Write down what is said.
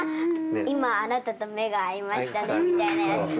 今あなたと目が合いましたねみたいなやつ。